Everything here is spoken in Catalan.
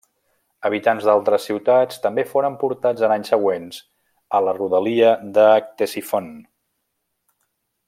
Habitants d'altres ciutats també foren portats en anys següents a la rodalia de Ctesifont.